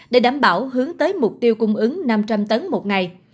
để đảm bảo hướng tới mục tiêu cung ứng năm trăm linh tấn một ngày